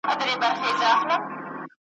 نوم چي مي پر ژبه د قلم پر تخته کښلی دی ,